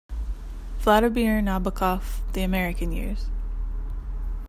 "Vladimir Nabokov: The American Years".